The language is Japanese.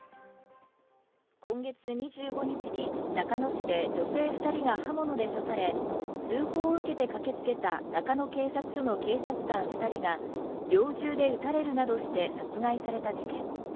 今月２５日に中野市で女性２人が刃物で刺され、通報を受けて駆けつけた、中野警察署の警察官２人が猟銃で撃たれるなどして殺害された事件。